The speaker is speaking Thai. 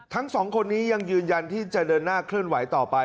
ทั้งสองคนนี้ยังยืนยันที่จะเดินหน้าเคลื่อนไหวต่อไป